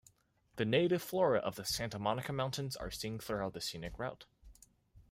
The native flora of the Santa Monica Mountains are seen throughout the scenic route.